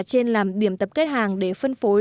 trên làm điểm tập kết hàng để phân phối